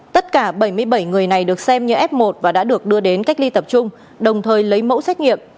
tất cả bảy mươi bảy người này được xem như f một và đã được đưa đến cách ly tập trung đồng thời lấy mẫu xét nghiệm